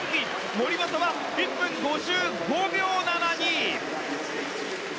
森本は１分５５秒７２。